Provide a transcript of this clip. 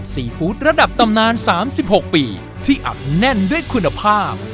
ซีฟู้ดระดับตำนาน๓๖ปีที่อัดแน่นด้วยคุณภาพ